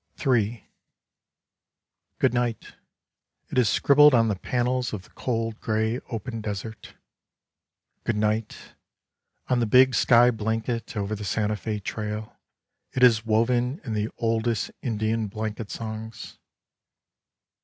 Good night; it is scribbled on the panels of the cold grey open desert. 76 Slabs of the Sunburnt West Good night; on the big sky blanket over the Santa Fe trail it is woven in the oldest Indian blanket songs.